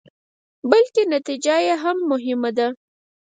بلکې نتيجه يې هم مهمه ده.